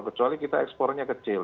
kecuali kita ekspornya kecil